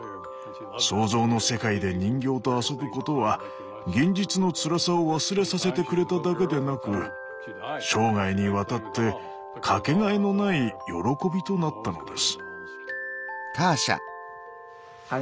想像の世界で人形と遊ぶことは現実のつらさを忘れさせてくれただけでなく生涯にわたって掛けがえのない喜びとなったのです。